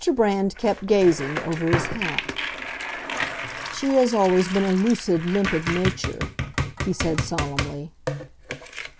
Brand kept gazing, over his hat. "She has always been a lucid, limpid nature," he said, solemnly.